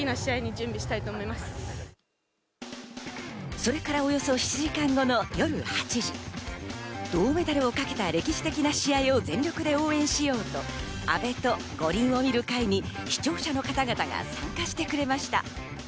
それからおよそ７時間後の夜８時、銅メダルをかけた歴史的な試合を全力で応援しようと「阿部と五輪を見る会」に視聴者の方々が参加してくれました。